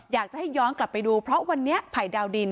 อยากจะให้ย้อนกลับไปดูเพราะวันนี้ภัยดาวดิน